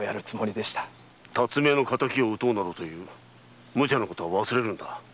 巽屋の敵を討とうなどという無茶なことは忘れるんだ。